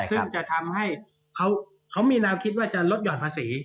ซึ่งจะทำให้เขามีแนวคิดว่าจะลดห่อนภาษี